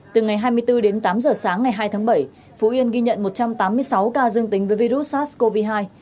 từ ngày hai mươi bốn đến tám giờ sáng ngày hai tháng bảy phú yên ghi nhận một trăm tám mươi sáu ca dương tính với virus sars cov hai